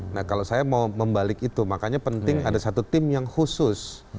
nah kalau saya mau membalik itu makanya penting ada satu tim yang khusus